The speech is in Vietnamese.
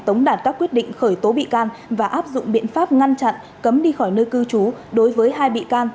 tống đạt các quyết định khởi tố bị can và áp dụng biện pháp ngăn chặn cấm đi khỏi nơi cư trú đối với hai bị can